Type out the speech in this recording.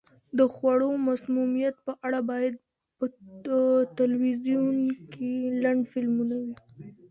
د خوړو مسمومیت په اړه باید په تلویزیون کې لنډ فلمونه وي.